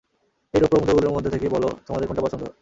এই রৌপ্য মুদ্রাগুলোর মধ্যে থেকে বলো তোমাদের কোনটা পছন্দ?